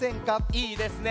いいですね